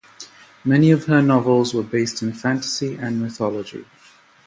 Many of her novels were based in fantasy and mythology.